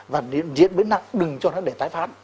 và diễn biến nặng đừng cho nó để tái phát